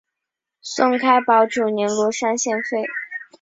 宋开宝九年罗山县废。